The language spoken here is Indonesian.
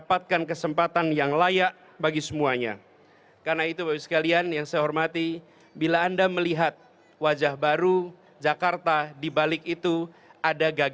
assalamualaikum warrahmatallaah hoebarokatuh